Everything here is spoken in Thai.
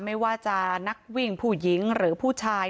ไม่ว่าจะนักวิ่งผู้หญิงหรือผู้ชาย